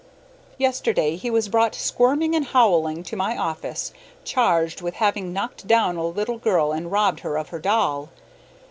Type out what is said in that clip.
Yesterday he was brought squirming and howling to my office, charged with having knocked down a little girl and robbed her of her doll.